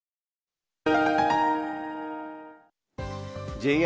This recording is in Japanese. ＪＲ